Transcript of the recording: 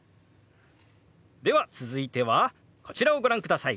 では続いてはこちらをご覧ください。